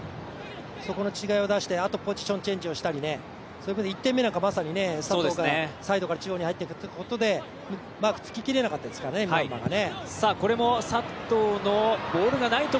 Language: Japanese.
そこの違いを出して、あとはポジションチェンジをしたりそういうふうに１点目なんか佐藤がサイドから中央に入っていくということでマークにつききれなかったですからねミャンマーがね。